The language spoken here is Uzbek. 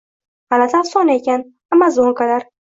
— Gʼalati afsona ekan… Аmazonkalar…